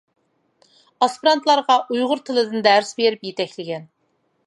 ئاسپىرانتلارغا ئۇيغۇر تىلىدىن دەرس بېرىپ يېتەكلىگەن.